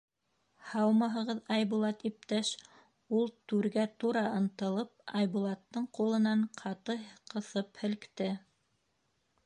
— Һаумыһығыҙ, Айбулат иптәш, — ул, түргә тура ынтылып, Айбулаттың ҡулынан ҡаты ҡыҫып һелкте.